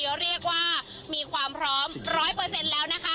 เค้าเรียกว่ามีความพร้อมร้อยเปอร์เซ็นต์แล้วนะคะ